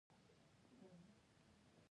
بیا وروسته پسه او غوا هم اهلي شول.